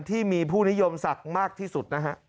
ที่มีผู้นิยมศักดิ์มากที่สุดนะฮะ